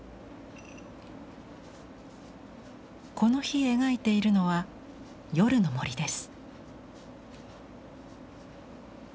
この日描いているのは夜の森です。